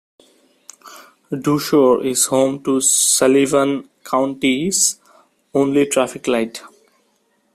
Dushore is home to Sullivan County's only traffic light.